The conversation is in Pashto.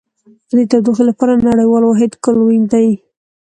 د تودوخې لپاره نړیوال واحد کلوین دی.